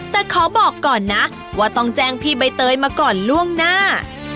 แต่ขอบอกก่อนนะว่าต้องแจ้งพี่ใบเตยมาก่อนล่วงหน้า